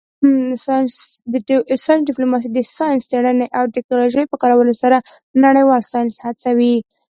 ساینس ډیپلوماسي د ساینسي څیړنې او ټیکنالوژۍ په کارولو سره نړیوال ساینس هڅوي